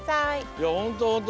いやほんとほんと